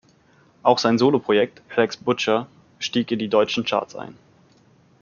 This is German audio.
Auch sein Soloprojekt „Alex Butcher“ stieg in die deutschen Charts ein.